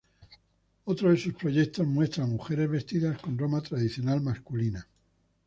Otro de sus proyectos muestra a mujeres vestidas con ropa tradicional masculina.